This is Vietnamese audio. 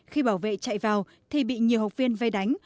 khi bảo vệ chạy vào thì bị nhiều học viên vây đánh